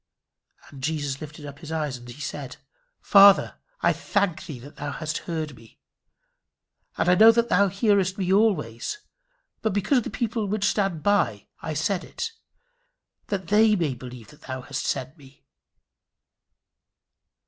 "And Jesus lifted up his eyes, and said, Father, I thank thee that thou hast heard me. And I knew that thou hearest me always: but because of the people which stand by I said it, that they may believe that thou hast sent me."